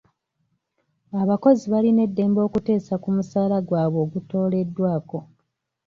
Abakozi balina eddembe okuteesa ku musaala gwabwe ogutooleddwako.